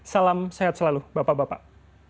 salam sehat selalu bapak bapak